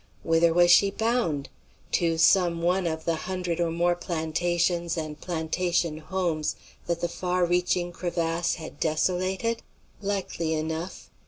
Whither was she bound? To some one of the hundred or more plantations and plantation homes that the far reaching crevasse had desolated? Likely enough.